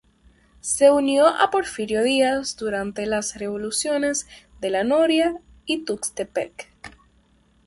Se unió a Porfirio Díaz durante las revoluciones de la Noria y Tuxtepec.